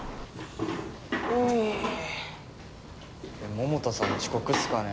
桃田さん遅刻っすかね？